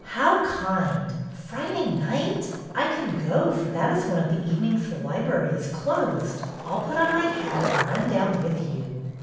" How kind ! Friday night? I can go, for that is one of the evenings the library is closed. I 'll put on my hat and run down with you."